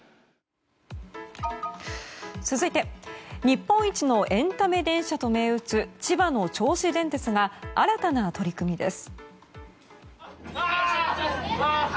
続いて日本一のエンタメ電車と銘打つ千葉の銚子電鉄が新たな取り組みです。